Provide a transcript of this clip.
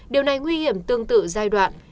điều này nguy hiểm tương tự giai đoạn